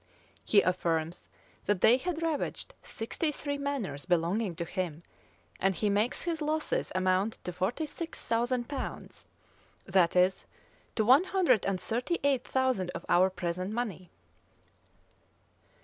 He affirms, that they had ravaged sixty three manors belonging to him, and he makes his losses amount to forty six thousand pounds; that is, to one hundred and thirty eight thousand of our present money.